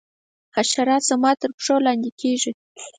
حشرات زما تر پښو لاندي کیږي.